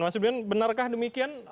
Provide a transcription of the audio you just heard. mas budiman benarkah demikian